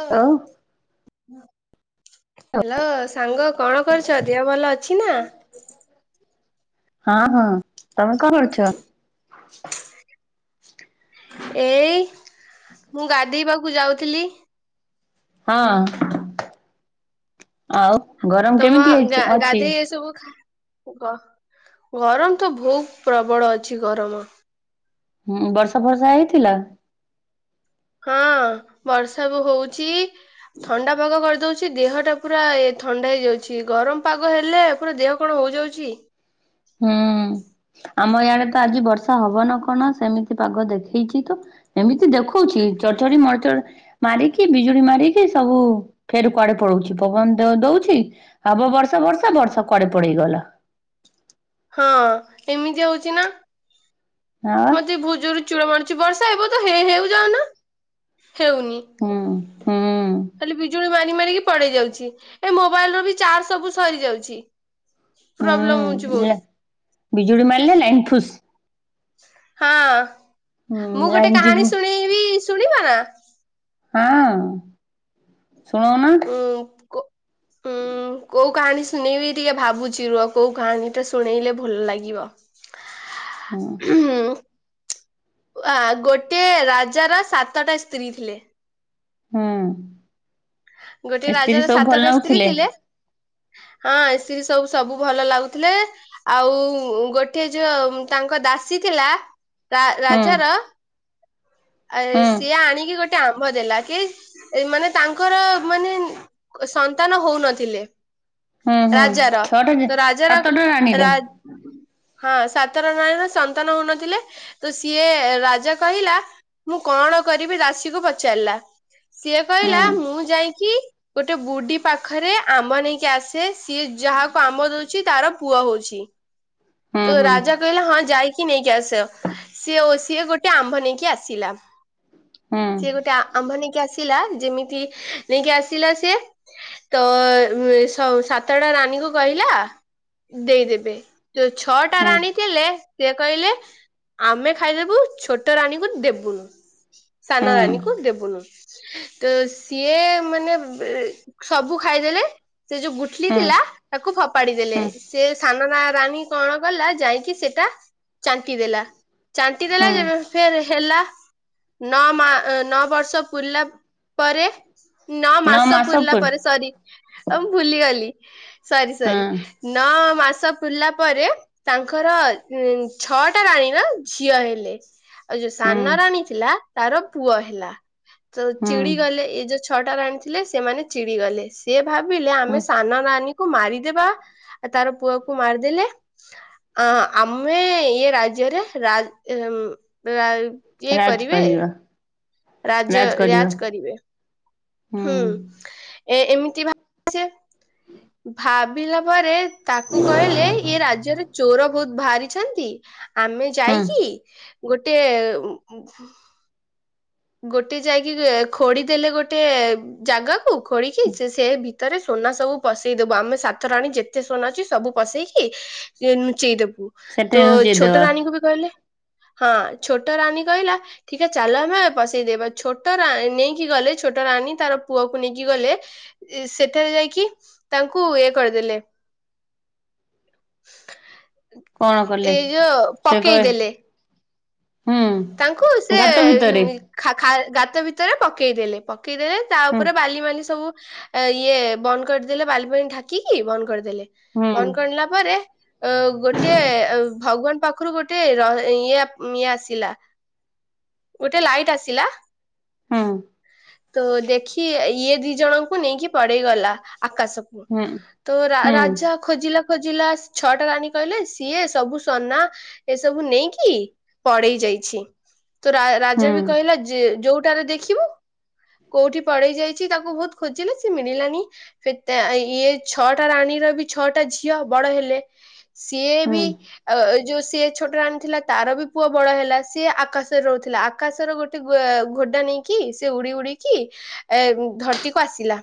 ଓ ଆଉ ହାଲୋ ସାଙ୍ଗ କଣ କରୁଛ ଦେହ ଭଲ ଅଛିନା? ହଁ ହଁ ତମେ କଣ କରୁଛ? ଏଇ ମୁଁ ଗାଧେଇବାକୁ ଯାଉଥିଲି। ହଁ ଆଉ ଗରମ କେମିତି ହେଇଚି ଅଛି? ଏସବୁ ଖା ଗ ଗରମ ତ ଭୋଉ ପ୍ରବଳ ଅଛି ଗରମ। ହୁଁ ବର୍ଷା ଫର୍ଷା ହେଇଥିଲା? ହଁ ବର୍ଷା ବି ହୋଉଛି। ଥଣ୍ଡା ପାଗ କରିଦୋଉଛି ଦେହଟା ପୁରା ଏ ଥଣ୍ଡା ହେଇଯାଉଛି ଗରମ ପାଗ ହେଲେ ପୁରା ଦେହ କଣ ହୋଇଯାଉଚି। ହୁଁ ଆମ ଇଆଡେ ତ ଆଜି ବର୍ଷା ହବନା କଣ ସେମିତି ପାଗ ଦେଖେଇଚି ତ। ଏମିତି ଦେଖୋଉଚି ଚଡଚଡି ମଡଚଡ ମାରିକି ବିଜୁଳି ମାରିକି ସବୁ ଫେର କୁଆଡେ ପଳୋଉଚି ପବନ ତ ଦୋଉଚି। ହବ ବର୍ଷା ଫର୍ଷା ବର୍ଷା କୁଆଡେ ପଳେଇଗଲା। ହଁ ଏମିତିଆ ହୋଉଚି ନା। ଆଉ ମତେ ଭୋଉତ ଜୋର ଚିଡା ମାଡୁଚି ବର୍ଷା ହେବ ତ ହେ ହେଉଯାଉନ। ହେଉନି ହୁଁ ହୁଁ। ଖାଲି ବିଜୁଳି ମାରି ମାରିକି ପଡେଇଯାଉଛି ଏ ମୋବାଇଲ ର ବି ଚାର୍ଜ ସବୁ ସରିଯାଉଛି ପ୍ରୋବ୍ଲେମ ହୋଉଚି ହୁଁ ବୋହୁତ। ବିଜୁଳି ମାଇଲେ ଲାଇନ୍ ଫୁସ୍। ହଁ ହୁଁ ମୁଁ ଗୋଟେ ଲାଇନ ଯିବୁ କାହାଣୀ ଶୁଣେଇବି ଶୁଣିବ ନା? ହଁ। ଶୁଣଉନା ଉଁ କୋ ଉଁ। ଉ କୋଉ କାହାଣୀ ଶୁଣେଇବିି ଟିକେ ଭାବୁଚି ରୁହ କୋଉ କାହାଣୀଟା ଶୁଣେଇଲେ ଭଲଲାଗିବ। ହ ହଁ। ହୁଁହୁଁ ଆ ଗୋଟିଏ ରାଜାର ସାତଟା ସ୍ତ୍ରୀ ଥିଲେ। ହଁ। ଗୋଟିଏ ରାଜାର ସାତଟା ସ୍ତ୍ରୀ ନାଗୁଥିଲେ ଥିଲେ। ହଁ ଏସିବି ସବୁ ସବୁ ଭଲ ଲାଗୁଥୁଲେ। ଆଉ ଗୋଟିଏ ଯୋଉ ତାଙ୍କ ଦାସୀ ଥିଲା ରା ହୁଁ ରାଜାର ଆ ହୁଁ ସିଏ ଆଣିକି ଗୋ ଟେ ଆମ୍ବ ଦେଲା କି ମାନେ ତାଙ୍କର ମାନେ ସନ୍ତାନ ହୋଉନଥିଲେ ହୁଁ ହୁଁ ରାଜାର ଛଅଟା ଯେ ତ ରାଜାର ସାତଟା ରାଣୀର ରା ହଁ ସାତର ରାଣିର ସନ୍ତାନ ହୋଉନଥିଲେ। ତ ସିଏ ରାଜା କହିଲା ମୁଁ କଣ କରିବି ଦାଶିକୁ ପଚାରଲା। ସିଏ ହୁଁ କହିଲା ମୁଁ ଯାଇକି ଗୋଟେ ବୁଡୀ ପାଖରେ ଆମ୍ବ ନେଇକି ଆସେ ସିଏ ଯାହାକୁ ଆମ୍ବ ଦୋଉଛି ତାର ପୁଅ ହୋଉଛି। ହୁଁ ତ ହୁଁ ରାଜା କହିଲା ହଁ ଯାଇକି ନେଇକି ଆସ ସିଏ ଓ ସିଏ ଗୋଟେ ଆମ୍ଭ ନେଇକି ଆସିଲା। ହୁଁ ସିଏ ଗୋଟେ ଆ ଆମ୍ଭ ନେଇକି ଆସିଲା ଯେମିତି ନେଇକି ଆସିଲା ସିଏ ତ ଉମ୍ ସ ସାତଟା ରଣୀକୁ କହିଲା ଦେଇଦେବେ ଯୋଉ ଛଅଟା ହୁଁ ରାଣୀ ଥିଲେ ସିଏ କହିଲେ ଆମେ ଖାଇଦେବୁ ଛୋଟ ରାଣୀକୁ ଦେବୁନୁ ସାନ ହୁଁ ରାଣୀକୁ ଦେବୁନୁ ତ ସିଏ ମାନେ ସବୁ ଖାଇଦେଲେ ସେ ଯୋଉ ଗୁଠୁଲି ହୁଁ ଥିଲା ତାକୁ ଫପାଡି ଦେଲେ ହୁଁ ସେ ସାନ ନା ରାଣୀ କଣ କଲା ଯାଇକି ସେଟା ଚାଣ୍ଟି ଦେଲା ଚାଣ୍ଟି ଦେଲା ହୁଁ ଯେଵେ ସେ ହେଲା। ନ ମା ନ ବର୍ଷ ପୁୁରିଲା ପରେ ନଅ ମାସ ପୁୁରିଲା ପରେ ସରୀ। ହ ମୁଁ ଭୁଲିଗଲି ସରି ହଁ ସରି ନଅ ମାସ ପିଲା ପରେ ତାଙ୍କର ଉ ଛଅଟା ରାଣୀର ଝିଅ ହେଲେ। ଆଉ ଯୋଉ ହୁଁ ସାନ ରାଣୀ ଥିଲା ତାର ପୁଅ ହେଲା ତ ହୁଁ ଚିଡି ଗଲେ ଏ ଯୋଉ ଛଅଟା ରାଣି ଥିଲେ ସେମାନେ ଚିଡ଼ିଗଲେ ସେ ଭାବିଲେ ହୁଁ ଆମେ ସାନ ନାନୀ କୁ ମାରିଦେବା ତାର ପୁଅ କୁ ମାରିଦେଲେ ଆଁ ଆମେ ଇଏ ରାଜ୍ୟରେ ରାଜ ରାଜ କରିବା। ରାଜ ରାଜ କରିବେ। ହୁଁ ଏ ଏମିତି ଭାବ ସେ ଭାବିଲା ପରେ ତାକୁ କହିଲେ ଇଏ ରାଜ୍ୟରେ ଚୋର ବହୁତ ବାହାରିଛନ୍ତି ଆମେ ହୁଁ ଯାଇକି ଗୋଟେ ଗୋଟେ ଯାଇକି ଖୋଡି ଦେଲେ ଗୋଟେ ଜାଗାକୁ ଖୋଡିକି ସେ ସେ ଭିତ ତରେ ସୁନା ସବୁ ପସେଇ ଦବୁ ଆମେ ସାତ ରାଣୀ ଯେତେ ସୁନା ଅଛି ସବୁ ପସେଇକି ସିଏ ନୁଚେଇଦବୁ ସେଠି ତ ନୁଚେଇ ଛୋଟ ଦେବା ରାଣୀଙ୍କୁ ବି କହିଲେ ହଁ ଛୋଟ ରାନୀ କହିଲା ଠିକେ ଚାଲ ଆମେ ବସେଇଦବା ଛୋଟ ରା ନେଇକି ଗଲେ ଛୋଟ ରାଣୀ ତାର ପୁଅକୁ ନେଇକି ଗଲେ। ସେଠାରେ ଯାଇକି ତାଙ୍କୁ ଇଏ କରିଦେଲେ। କଣ କଲେ ଏଇ ଯୋଉ ସେ କହେ ପକେଇଦେଲେ। ତାଙ୍କୁ ହୁଁ ସେ ଗାତ ଭିତରେ ଇନମିଲ ଖା ଖା ଗାତ ଭିତରେ ପକେଇଦେଲେ ପକେଇଦେଲେ ତା ହୁଁ ଉପରେ ବାଲି ମଲି ସବୁ ଇଏ ବନ୍ଦ କରିଦେଲେ ବାଲିପଲି ଠାକିକି ବନ୍ଦ କରିଦେଲେ ହୁଁ ବନ୍ଦ କରିଲା ପରେ ଅ ଗୋଟେ ଭଗବାନ ପାଖରୁ ଗୋଟେ ର ଇଏ ଇଏ ଆସିଲା। ଗୋଟେ ଲାଇଟ୍ ଆସିଲା। ହୁଁ ତ ଦେଖି ଇଏ ଦି ଜଣଙ୍କୁ ନେଇକି ପଳେଇ ଗଲା ଆକାଶକୁ ହୁଁ ତ ରା ହୁଁ ରାଜା ଖୋଜିଲା ଖୋଜିଲା ଛଅଟା ରାଣୀ କହିଲେ ସିଏ ସବୁ ସୋନା ଏସବୁ ନେଇକି ପଳେଇ ଯାଇଛି। ତ ରା ହୁଁ ରାଜା ବି କହିଲା ଯେ ଯୋଉଟାରେ ଦେଖିବୁ କୋଉଠି ପଳେଇ ଯାଇଚି ତାକୁ ବହୁତ ଖୋଜିଲେ ସେ ମିଳିଲାନି ଫିତା ଏ ଇଏ ଛଅଟା ରାଣୀର ବି ଛଅଟା ଝିଅ ବଡ ହେଲେ ସିଏ ହୁଁ ବି ଆ ଯୋଉ ସିଏ ଛୋଟ ରାଣିଥିଲା ତାର ବି ପୁଅ ବଡ ହେଲା। ସିଏ ଆକାଶରେ ରହୁଥିଲା ଆକାଶର ଗୋଟେ ଘୋ ଡା ନେଇକି ସେ ଉଡି ଉଡିକି ଏ ଧରତିକୁ ଆସିଲା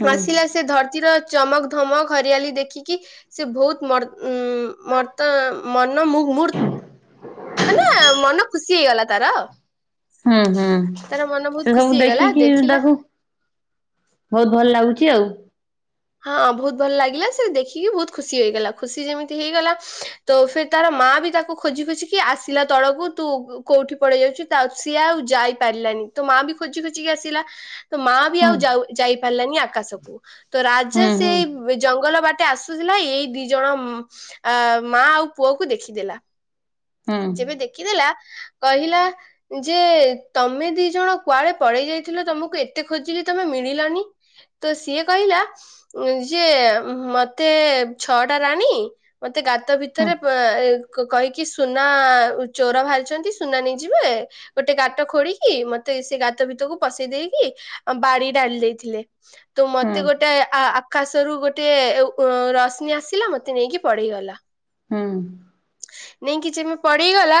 ହୁଁ ଆସିଲା ଆସି ସେ ଧରତିର ଚମକ ଧମକ ହରିଆଲି ଦେଖିକି ସେ ବହୁତ ମର ମରତ ମନ ମୁ ମୁର୍ତ୍ତୃ ମାନେ ମନ ଖୁସି ହେଇଗଲା ତାର ଆଉ। ହୁଁ ହୁଁ ସେ ଖୁସି ସବୁ ହେଇଗଲା ଦେଖିକି ଦେଖିଲା ତାକୁ ବହୁତ ଭଲ ଲାଗୁଛି ଆଉ। ହଁ ବହୁତ ଭଲ ଲାଗିଲା ସେ ଦେଖିକି ବହୁତ ଖୁସି ହେଇଗଲା ଖୁସି ଯେମିତି ହେଇଗଲା ତ ଫିର ତାର ମା ବି ତାକୁ ଖୋଜି ଖୋଜି କି ଆସିଲା ତଳକୁ ତୁ କୋଉଠି ପଳେଇ ଯାଉଚୁ। ତାଉ ସିଏ ଆଉ ଯାଇ ପାରିଲାନି ତ ମା ବି ଖୋଜି ଖୋଜିିକି ଆସିଲା। ତ ମା ବି ହୁଁ ଆଉଯାଉ ଯାଇପାରିଲାନି ଆକାଶକୁ ତ ରାଜା ହୁଁ ସେ ହୁଁ ଜଙ୍ଗଲ ବାଟେ ଆସୁଥିଲା ଏଇ ଦି ଜଣ ଆ ମା ଆଉ ପୁଅକୁ ଦେଖିଦେଲା। ହୁଁ ଯେବେ ଦେଖିଦେଲା କହିଲା ଯେ ତମେ ଦି ଜଣ କୁଆଡେ ପଳେଇ ଯାଇଥିଲ ତମକୁ ଏତେ ଖୋଜିଲି ତମେ ମିଳିଲନି। ତ ସିଏ କହିଲା ଯେ ମତେ ଛଅଟା ରାଣୀ। ମତେ ଗାତ ହୁଁ ଭିତରେ ପେ ଏ କହିକି। ସୁନା ଚୋର ବାହାରିଛନ୍ତି ସୁନା ନେଇଯିବେ। ଗୋଟେ ଗାତ ଖୋଳିକି ମତେ ସେ ଗାତ ଭିତରକୁ ପସେଇ ଦେଇକି ବାଡି ଡାଲି ଦେଇଥିଲେ। ତ ହୁଁ ମତେ ଗୋଟେ ଆ ଆକ୍। ଆକାଶ ରୁ ଗୋଟେ ଉ ଅ ରଶ୍ମି ଆସିଲା ମତେ ନେଇକି ପଢେଇଗଲା। ହୁଁ। ନେଇକି ଯେମି ପଡେଇଗଲା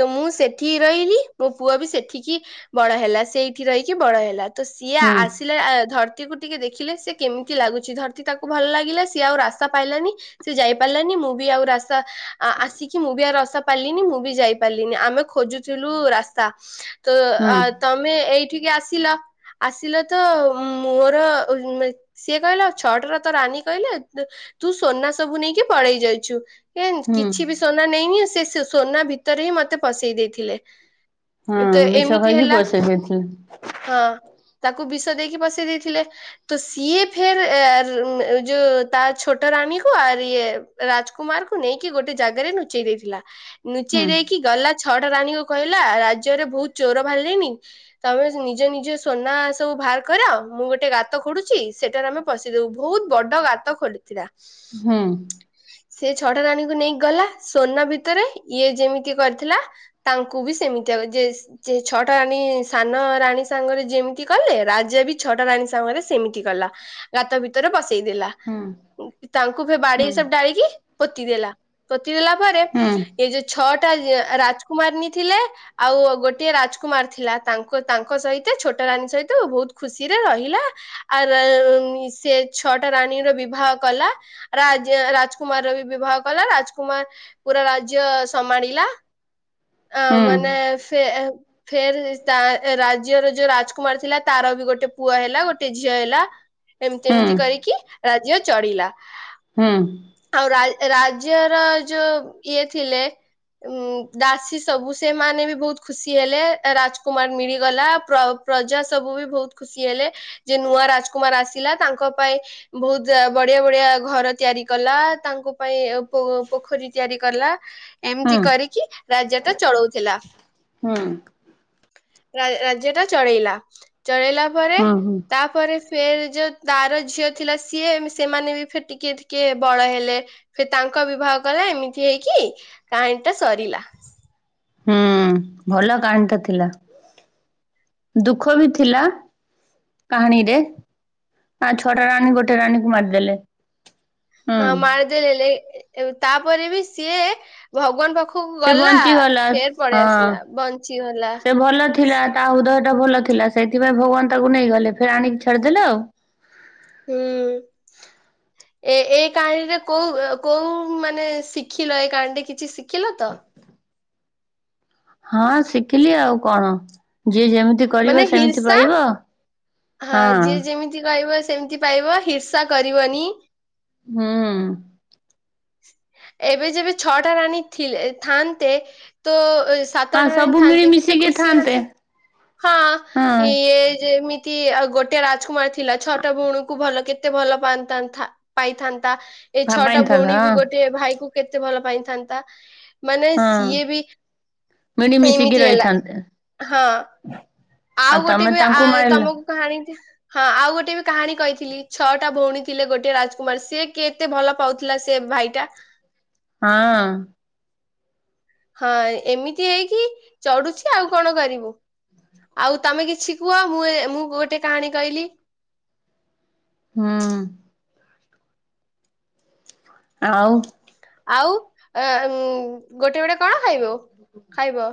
ତ ମୁଁ ସେଠି ରହିଲି ମୋ ପୁଅ ବି ସେଠିକି। ବଡ ହେଲା ସେଇଠି ରହିକି ବଡ ହେଲା ତ ସିଏ ହୁଁ ଆସ। ସିଲେ ଧରତୀକୁ ଟିକେ ଦେଖିଲେ ସେ କେମିତି ଲାଗୁଛି ଧରତୀ ତାକୁ ଭଲ ଲାଗିଲା ସିଏ ଆଉ ରାସ୍ତା ପାଇଲାନି। ସେ ଯାଇ ପାରିଲାନି ମୁଁ ବି ଆଉ ରାସ୍ତା ଆ ଆସି। କି ମୁଁ ବି ଆଉ ରାସ୍ତା ପାଇଲିନି ମୁଁ ବି ଯାଇ ପାରିଲିନି ଆମେ ଖୋଜୁଥିଲୁ ରାସ୍ତା ତ ଆ। ହୁଁ ତମେ ଏଇଠିକି ଆସିଲ ଆସିଲ ତ ମୋର। ସିଏ କହିଲା ଛଟା ର ତ ରାନୀ କହିଲେ। ତୁ ସୋନା ସବୁ ନେଇକି ପଳେଇ ଯାଇଛୁ ଏନ୍ ହୁଁ କିଛି ବି। ସୋନା ନେଇନି ସେ ସେ ସୋନା ଭିତରେ ହିଁ ମତେ ପସେଇ ଦେଇଥିଲେ। ହଁ ତ ମିଛ ଏମିତି କହିକି ହେଲା ପସେଇ ଦେଇଥିଲେ। ହଁ ତାକୁ ବିଷ ଦେଇକି ପଶେଇ ଦେଇଥିଲେ। ତ ସିଏ ଫେର ଏ ର ଯୋଉ ତାର ଛୋଟା ରାଣୀ କୁ ଆର ଇଏ। ରାଜକୁମାର କୁ ନେଇକି ଗୋଟେ ଜାଗାରେ ନୁଚେଇ ଦେଇଥିଲା ହୁଁ ନୁଚେଇ ଦେଇକି। କି ଗଲା ଛଅଟା ରାଣୀ କୁ କହିଲା ରାଜ୍ୟରେ ବହୁତ ଚୋର ବାହାରି ଲେଣି। ତମେ ନିଜ ନିଜ ସୋନା ସବୁ ବାହାର କର ମୁଁ ଗୋଟେ ଗାତ ଖୋଳୁଛି ସେଟାରେ ଆମେ। ପଶି ଦବୁ ଭଉତ ବଡ ଗାତ ଖୋଲିଥିଲା। ହୁଁ। ସେ ଛଅଟା ରାଣୀକୁ ନେଇକି ଗଲା ସୋନା ଭିତରେ ଇଏ ଯେମିତି କରିଥିଲା। ତାଙ୍କୁ ବି ସେମିତିଆ ଯେସ। ଯେ ଛଅଟା ରାଣୀ ସାନ ରାଣୀ ସାଙ୍ଗରେ ଯେମିତି କଲେ ରାଜା ବି। ଛଅଟା ରାଣୀ ସାଙ୍ଗରେ ସେମିତି ଗଲା ଗାତ ଭିତରେ ପସେଇ ଦେଲା। ହୁଁ ତାଙ୍କୁ ସେ ହୁଁ ବାଡ଼ିରେ ସବ ଡାଳିକି ପୋତି ଦେଲା ପୋତି ଦେଲା ପରେ। ହୁଁ ଏ ଯୋଉ ଛଅଟା ରାଜକୁମାରଣୀ ଥିଲେ ଆଉ ଗୋଟିଏ ରାଜକୁମାର ଥିଲା। ତାଙ୍କ ତାଙ୍କ ସହିତ ଛୋଟା ରାନୀ ସହିତ ବହୁତ ଖୁସିରେ ରହିଲା। ଆର ସେ ଛଅଟା ରାଣୀର ବିବାହ କଲା ରାଜ ରାଜ। ବିବାହ କଲା ରାଜକୁମାର ପୁରା ରାଜ୍ୟ ସମାଳିଲା। ହୁଁ ହୁଁ ଅ ହୁଁ ମାନେ ସେ। ଫେର ତା ରାଜ୍ୟର ଯୋଉ ରାଜକୁମାର ଥିଲା ତାର ବି ଗୋଟେ ପୁଅ ହେଲା ଗୋଟେ ଝିଅ ହେଲା। ଏମତି ହୁଁ ଏମିତି କରିକି ରାଜ୍ୟ ଚଡିଲା। ହୁଁ। ଆଉ ରା ରାଜ୍ୟର ଯୋଉ ଇଏ ଥିଲେ ଉଁ ଦା ସୀ ସବୁ ସେମାନେ ବି ବହୁତ ଖୁସି ହେଲେ ରାଜକୁମାର ମିଳିଗଲା ପ୍ର ପ୍ରଜା ସବୁ ବି ବହୁତ। ଖୁସି ହେଲେ ଯେ ନୂଆ ରାଜକୁମାର ଆସିଲା ତାଙ୍କ ପାଇଁ। ବହୁତ ବଢିଆ ବଢିଆ ଘର ତିଆରି କଲା ତାଙ୍କ ପାଇଁ ଉ ପୋ ପୋଖରୀ ତିଆରି କଲା। ଏମିତି କରିକି ରାଜ୍ୟଟା ଚଳଉଥିଲା। ହଁ। ରା ରାଜ୍ୟଟା ଚଳେଇଲା, ଚଳେଇଲା ପରେ ତା। ହୁଁ ହୁଁ ତାପରେ ଫେର୍ ଯେ ତାର ଝିଅ ଥିଲା ସିଏ ସେମାନେ ବି ଫିର ଟିକେ ଟିକେ ବଡ ହେଲେ। ଫେର ତାଙ୍କ ବିବାହ କଲା ଏମିତି ହେଇକି କାହାଣୀ ଟା ସରିଲା। ହୁଁ ଭଲ କାହାଣିଟା ଥିଲା, ଦୁଃଖ ବି ଥିଲା। କାହାଣୀରେ କାଁ ଛଅଟା ରାଣୀ ଗୋଟେ ରାଣୀକୁ ମାରିଦେଲେ। ହଁ ହୁଁ ମାରିଦେଲେଲେ ଏ ଏ ତାପରେ ବି ସିଏ। ଭଗବାନ ପାଖକୁ ସେ ଗଲା ବଞ୍ଚିଗଲା ଫେର ପଳେଇ ହଁ। ଆସିଲା ବଞ୍ଚିଗଲା। ସେ ଭଲ ଥିଲା ତା ହୁଦୟ ଟା ଭଲ ଥିଲା ସେଇଥିପାଇଁ ଭଗବାନ ତାକୁ ନେଇଗଲେ ଫେରେ ଆଣିକି ଛାଡିଦେଲେ ଆଉ। ହୁଁ। ଏ ଏଇ କାହାଣୀରେ କୋଉ କୋଉ ମାନେ ଶିଖିଲ ଏ କାହାଣୀରେ କିଛି ଶିଖିଲ ତ? ହଁ ଶିଖିଲି ଆଉ କଣ ଯିଏ ଯେମିତି କରିବ ମାନେ ସେମିତି ହିର୍ସା ପାଇବ। ହଁ ଯିଏ ଯେମିତି କହିବ ସେମତି ପାଇବ ହିର୍ଷା କରିବନି। ହୁଁ। ଏବେ ଯେବେ ଛଅଟା ରାଣୀ ଥିଲେ ଥାନ୍ତେ ତ ହଁ ସାତଟରେ ହି ସବୁ ଥାନ୍ତି କେତେ ମିଳିମିଶିକି ଖୁସି ଥାନ୍ତେ। ଆସେ ହଁ ହଁ ଇଏ ଯେ କି ଗୋଟେ ରାଜକୁମାର ଥିଲା ଛଅଟା ଭଉଣୀଙ୍କୁ ଭଲ କେତେ ଭଲ ପାଆନ୍ତାଥା। ପାଇଥାନ୍ତା ଏଇ ଛଅଟା ଭାବାଇଥାନ୍ତା ଭଉଣୀ ବି ହଁ ଗୋଟେ ଭାଇକୁ କେତେ ଭଲ ପାଇଥାନ୍ତା। ମାନେ ହଁ ସିଏ ବି ମିଳିମିଶିକି ଏମିତି ହେଲା ରହିଥାନ୍ତେ। ହଁ। ଆଉ ଗୋଟେ ତମେ ବି ଆ ତାଙ୍କୁ ମାରିଲ ତମକୁ କାହାଣୀ ହଁ ଆଉ ଗୋଟେ ବି କାହାଣୀ କହିଥିଲି ଛଅଟା ଭଉଣୀ ଥିଲେ ଗୋଟେ ରାଜକୁମାର ସେ କେ କେତେ ଭଲ ପାଉଥିଲା ସେ ଭାଇଟା। ହଁ। ହଁ ଏମିତି ହେଇକି ଚଢୁଚି ଆଉ କଣ କରିବୁ। ଆଉ ତମେ କିଛି କୁହ ମୁଁ ଏ ମୁଁ ଗୋଟେ କାହାଣୀ କହିଲି। ହୁଁ। ଆଉ ଆଉ ଅ ଗୋଟେ ବୋଟେ କଣ ଖାଇବ ଖାଇବ।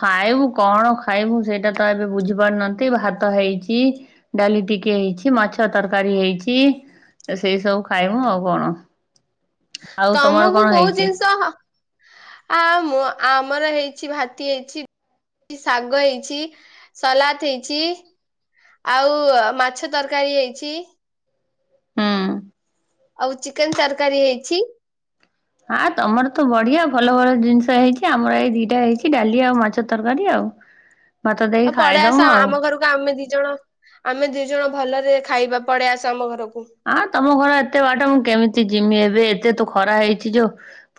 ଖାଇବୁ କଣ ଖାଇବୁ ସେଟା ତ ଏବେ ବୁଝି ପାରୁନାହାନ୍ତି, ଭାତ ହେଇଚି। ଡାଲି ଟିକେ ହେଇଚି, ମାଛ ତରକାରୀ ହେଇଚି। ତ ସେଇ ସବୁ ଖାଇବୁ ଆଉ କଣ। ଆଉ ତମର ତମକୁ କଣ କୋଉ ହେଇଛି ଜିନିଷ ଆ ମୁଁ ଆମର ହେଇଚି ଭାତି ହେଇଚି। ଶାଗ ହେଇଚି ସଲାଟ ହେଇଚି। ଆଉ ମାଛ ତରକାରୀ ହେଇଚି। ହୁଁ। ଆଉ ଚିକେନ ତରକାରୀ ହେଇଚି। ଆ ତମର ତ ବଢିଆ ଭଲ ଭଲ ଜିନିଷ ହେଇଚି ଆମର ଏଇ ଦିଟା ହେଇଚି ଡାଲି ଆଉ ମାଛ ତରକାରୀ ଆଉ। ଭାତ ତ ଦେଇକି ପଳେଇ ଖାଇଦମୁ ଆସ ଆଉ ଆମ ଘରକୁ ଆମେ ଦି ଜଣ ଆମେ ଦି ଜଣ ଭଲରେ ଖାଇବା ପଳେଇ ଆସ ଆମ ଘରକୁ। ଆଁ ତମ ଘର ଏତେ ବାଟ ମୁଁ କେମିତି ଯିମି ଏବେ ଏତେ ତ ଖରା ହେଇଚି ଯଉ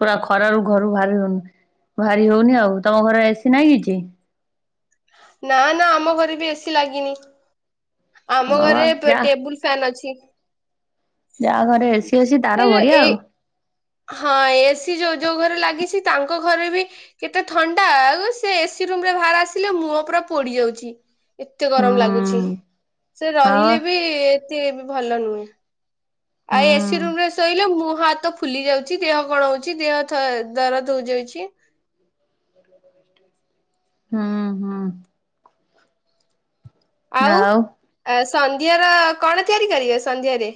ପୁରା ଖରାରୁ ଘରୁ ଭାରି ହଉନି ଭାରି ହଉନି ଆଉ ତମ ଘର ଏସି ନାଇଁ କିଛି? ନା ନା ଆମ ଘରେ ବି ଏସି ଲାଗିନି। ଆମ ହଁ ଘରେ ବା ଯା ଟେବୁଲ ଫ୍ୟାନ୍ ଅଛି। ଯାହା ଘରେ ଏସି ଅଛି ଏ ତାର ବଢିଆ ଏଇ ଆଉ। ହଁ ଏସି ଯୋଉ ଯୋଉ ଘରେ ଲାଗିଚି ତାଙ୍କ ଘରେ ବି କେତେ ଥଣ୍ଡା ସେ ଏସି ରୁମରେ ବାହାର ଆସିଲେ ମୁହଁ ପୁରା ପୋଡି ଯାଉଚି। ଏତେ ଗରମ ଲାଗୁଚି ହୁଁ ସେ ହଁ ରହିଲେ ବି ଏତେ ଭଲ ନୁହେଁ। ଆଇ ହୁଁ ଏସି ରୁମ ରେ ଶୋଇଲେ ମୁହଁ ହାତ ଫୁଲି ଯାଉଚି ଦେହ କଣ ହଉଚି ଦେହ ଥ-ଦରଜ ହଉଯାଉଚି। [inaudible] ହୁଁ ହଁ। ଆଉ ସନ୍ଧ୍ୟାର କଣ ତିଆରି କରିବେ ସନ୍ଧ୍ୟାରେ?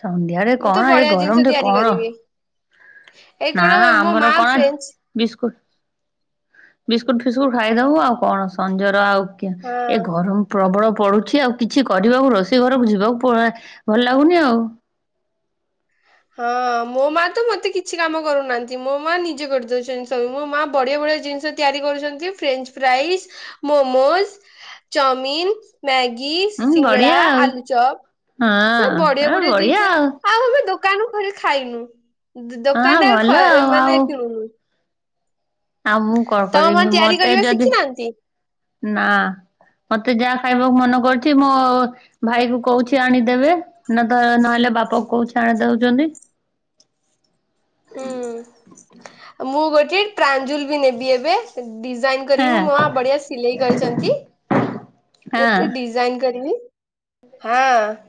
ସନ୍ଧ୍ୟାରେ ମୁଁ କଣ ତ ଏ ବଢିଆ ଜିନିଷ ଗରମରେ ତିଆରି କଣ କରିବି। ଏଇ ନା କଣ ମୋ ଆମର ମା କଣ ଫ୍ରେଞ୍ଚ୍ ବିସ୍କୁଟ ବିସ୍କୁଟ ଫିସ୍କୁଟ ଖାଇଦବୁ ଆଉ କଣ ସଞ୍ଜରେ ଆଉ ହଁ ଏ ଗରମ୍ ପ୍ରବଳ ପୋଡୁଚି ଆଉ। କିଛି କରିବାକୁ ରୋଷେଇ ଘରକୁ ଯିବାକୁ ପ ଭଲ ଲାଗୁନି ଆଉ। ହଁ ମୋ ମା ତ ମତେ କିଛି କାମ କରଉନାହାନ୍ତି। ମୋ ମା ନିଜେ କରିଦଉଚନ୍ତି ସବୁ। ମୋ ମା ବଢିଆ ବଢିଆ ଜିନିଷ ତିଆରି କରୁଛନ୍ତି French fries, momos, chowmein, Maggi ହୁଁ ସିଙ୍ଗିଡା, ବଢିଆ ଆଉ ଆଲୁଚପ ପୁରା ବଢିଆ ବଢିଆ ଜିନିଷ ଆଉ ଆମେ ଦୋ ଦୋକାନ ରୁ କିଣି ଖାଇନୁ। ହଁ ଦୋକାନ ରେ ଭଲ ଖ ଆଉ ମାନେ କିଣୁନୁ। ଆ ମୁଁ କଣ ତମ ମା କରିବି, ତିଆରି ମତେ କରିବା ଯଦି ଶିଖିନାହାନ୍ତି ନା। ମତେ ଯାହା ଖାଇବାକୁ ମନ କରୁଚି ମୋ ଭାଇ କୁ କହୁଚି ଆଣିଦେବେ। ନ ତ ନହେଲେ ବାପା କୁ କହୁଚି ଆଣିଦଉଚନ୍ତି। ହୁଁ। ମୁଁ ଗୋଟେ ଟ୍ରାଞ୍ଜୁଲ ନେବି ଏବେ ଡିଜାଇନ ହଁ କରିବି। ମୋ ମା ବଢିଆ ସିଲେଇ କରିଚନ୍ତି। ହଁ। ଜାଇଁକି କରିମି। ହଁ।